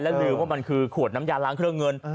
ลืมว่ามันคือขวดน้ำยาล้างเครื่องเงิน